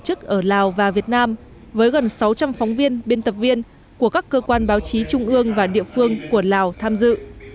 tổ chức ở lào và việt nam với gần sáu trăm linh phóng viên biên tập viên của các cơ quan báo chí trung ương và địa phương của lào tham dự